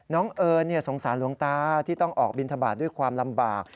เอิญสงสารหลวงตาที่ต้องออกบินทบาทด้วยความลำบาก